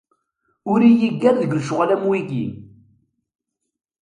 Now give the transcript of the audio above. Ur iyi-ggar deg lecɣal am wiyyi.